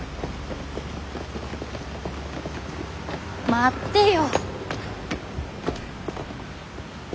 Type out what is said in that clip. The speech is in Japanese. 待ってよ。